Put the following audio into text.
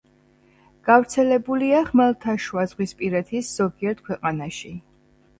გავრცელებულია ხმელთაშუაზღვისპირეთის ზოგიერთ ქვეყანაში.